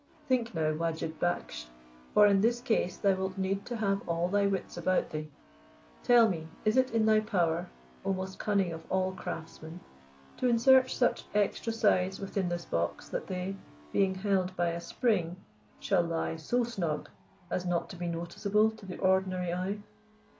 Think now, Wajib Baksh, for in this case thou wilt need to have all thy wits about thee. Tell me, is it in thy power, oh most cunning of all craftsmen, to insert such extra sides within this box that they, being held by a spring, shall lie so snug as not to be noticeable to the ordinary eye?